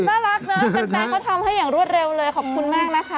ต้องเนี่ยแกก็ทำให้อย่างรวดเร็วเลยขอบคุณมากนะคะ